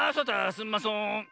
すんまそん。